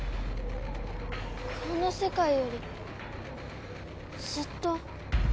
この世界よりずっと。